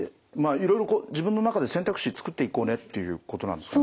いろいろ自分の中で選択肢作っていこうねということなんですかね。